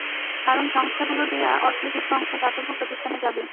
কারণ সংস্থাগুলোর দেয়া অর্থের কিছু অংশ দাতব্য প্রতিষ্ঠানে যাবে।